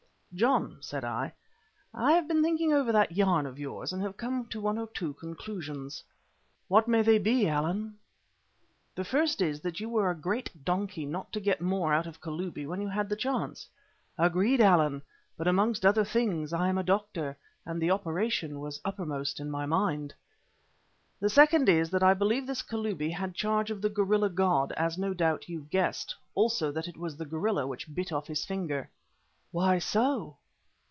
"John," said I, "I have been thinking over that yarn of yours and have come to one or two conclusions." "What may they be, Allan?" "The first is that you were a great donkey not to get more out of the Kalubi when you had the chance." "Agreed, Allan, but, amongst other things, I am a doctor and the operation was uppermost in my mind." "The second is that I believe this Kalubi had charge of the gorilla god, as no doubt you've guessed; also that it was the gorilla which bit off his finger." "Why so?"